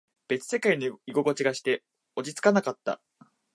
別世界の居心地がして、落ち着かなかった。